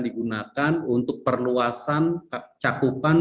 digunakan untuk perluasan capukan